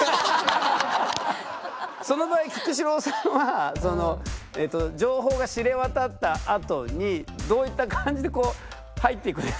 その場合菊紫郎さんは情報が知れ渡ったあとにどういった感じで入っていくんですか。